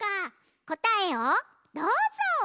こたえをどうぞ！